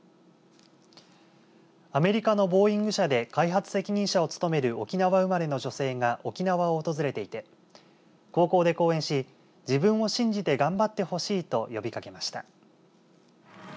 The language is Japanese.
アメリカのボーイング社で開発責任者を務める沖縄生まれの女性が沖縄を訪れていて高校で講演し自分を信じて頑張ってほしいと呼びかけました。